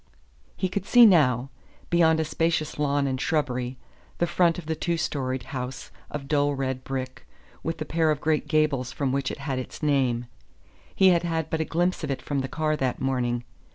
He could see now, beyond a spacious lawn and shrubbery, the front of the two storied house of dull red brick, with the pair of great gables from which it had its name. He had had but a glimpse of it from the car that morning.